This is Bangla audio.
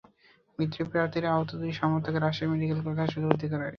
বিদ্রোহী প্রার্থীর আহত দুই সমর্থককে রাজশাহী মেডিকেল কলেজ হাসপাতালে ভর্তি করা হয়েছে।